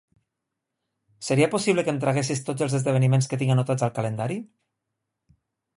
Seria possible que em traguessis tots els esdeveniments que tinc anotats al calendari?